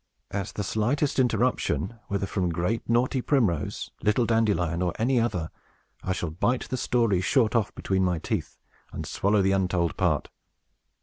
At the slightest interruption, whether from great, naughty Primrose, little Dandelion, or any other, I shall bite the story short off between my teeth, and swallow the untold part.